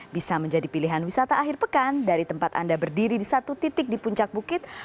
bisa menjadi pilihan wisata akhir pekan dari tempat anda berdiri di satu titik di puncak bukit